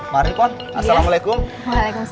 mari pon assalamualaikum